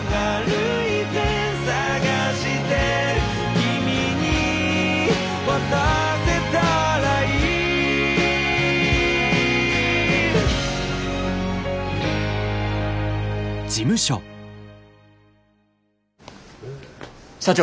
「君に渡せたらいい」社長。